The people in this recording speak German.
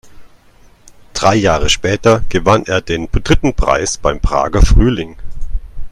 Drei Jahre später gewann er den dritten Preis beim Prager Frühling.